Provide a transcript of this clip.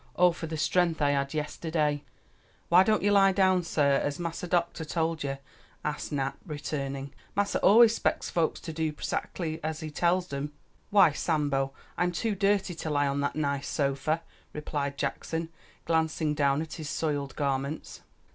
"Oh, for the strength I had yesterday!" "Why don't you lie down, sah, as Massa Doctah tole ye?" asked Nap, returning. "Massa always 'spects folks to do prezactly as he tells dem." "Why, Sambo, I'm too dirty to lie on that nice sofa," replied Jackson, glancing down at his soiled garments.